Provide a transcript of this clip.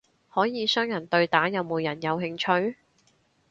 可以雙人對打，有冇人有興趣？